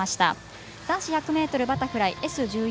男子１００ｍバタフライＳ１４